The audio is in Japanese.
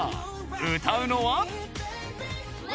［歌うのは］